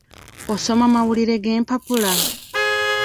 Osoma amawulire g'empapula?